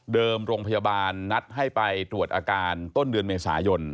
โรงพยาบาลนัดให้ไปตรวจอาการต้นเดือนเมษายน